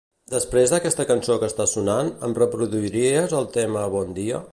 Després d'aquesta cançó que està sonant, em reproduiries el tema "Bon dia"?